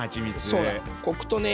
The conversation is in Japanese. そうだね。